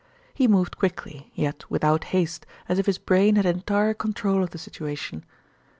He moved quickly; yet without haste, as if his brain had entire control of the situation.